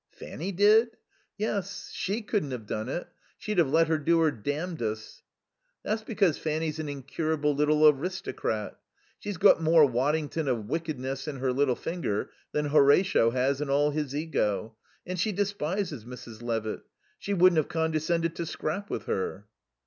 "Fanny did?" "Yes. She couldn't have done it. She'd have let her do her damnedest." "That's because Fanny's an incurable little aristocrat. She's got more Waddington of Wyckedness in her little finger than Horatio has in all his ego; and she despises Mrs. Levitt. She wouldn't have condescended to scrap with her."